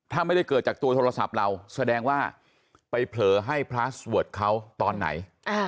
ถ้าไม่ได้เกิดจากตัวโทรศัพท์เราแสดงว่าไปเผลอให้พลาสเวิร์ดเขาตอนไหน